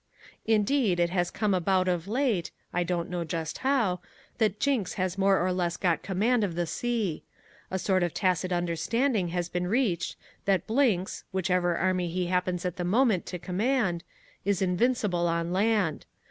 Indeed it has come about of late, I don't know just how, that Jinks has more or less got command of the sea. A sort of tacit understanding has been reached that Blinks, whichever army he happens at the moment to command, is invincible on land.